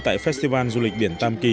tại festival du lịch biển tam kỳ